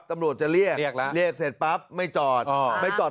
ตำรวจจะเรียกลีดเสร็จปั๊บไม่จอด